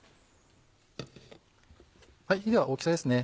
では大きさですね